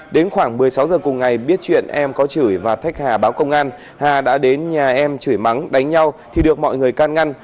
đến khoảng một mươi sáu giờ cùng ngày biết chuyện em có chửi và thách hà báo công an hà đã đến nhà em chửi mắng đánh nhau thì được mọi người can ngăn